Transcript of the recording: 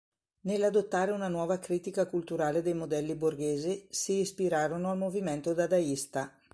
Nell'adottare una nuova critica culturale dei modelli borghesi, si ispirarono al movimento dadaista.